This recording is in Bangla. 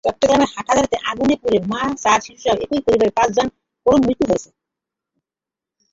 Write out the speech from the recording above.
চট্টগ্রামের হাটহাজারীতে আগুনে পুড়ে মা, চার শিশুসহ একই পরিবারের পাঁচজনের করুণ মৃত্যু হয়েছে।